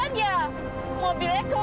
aduh aduh aduh